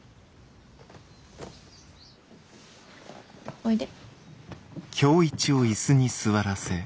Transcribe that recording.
おいで。